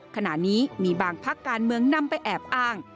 ขณะนี้มีบางพักการเมืองนำไปแอบอ้าง